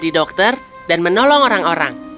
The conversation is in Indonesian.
di dokter dan menolong orang orang